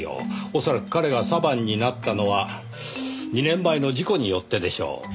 恐らく彼がサヴァンになったのは２年前の事故によってでしょう。